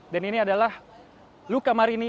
dan ini adalah luca marini